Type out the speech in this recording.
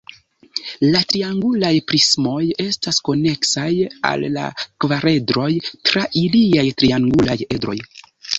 La triangulaj prismoj estas koneksaj al la kvaredroj tra iliaj triangulaj edroj.